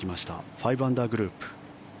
５アンダーグループ。